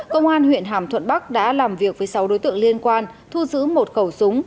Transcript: công an huyện hàm thuận bắc đã làm việc với sáu đối tượng liên quan thu giữ một khẩu súng